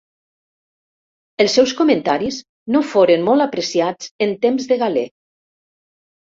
Els seus comentaris no foren molt apreciats en temps de Galè.